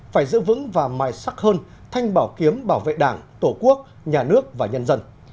phải giữ vững và mai sắc hơn thanh bảo kiếm bảo vệ đảng tổ quốc nhà nước và nhân dân